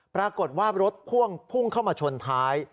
ปรากฏว่ารถพ่วงพุ่งเข้ามาชนท้าย